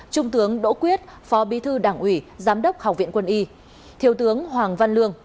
trung tướng đỗ quyết phó bí thư đảng ủy giám đốc học viện quân y thiếu tướng hoàng văn lương